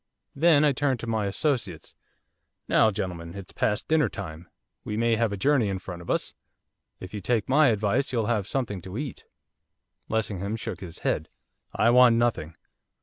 Then I turned to my associates. 'Now, gentlemen, it's past dinner time. We may have a journey in front of us. If you take my advice you'll have something to eat.' Lessingham shook his head. 'I want nothing.